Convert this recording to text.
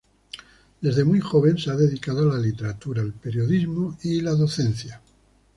Desde muy joven se ha dedicado a la literatura, el periodismo y la docencia.